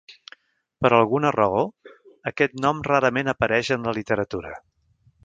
Per alguna raó, aquest nom rarament apareix en la literatura.